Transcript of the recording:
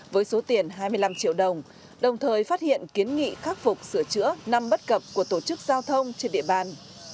với số tiền hai mươi năm triệu đồng đồng thời phát hiện kiến nghị khắc phục sửa chữa năm bất cập của tổ chức giao thông trên địa bàn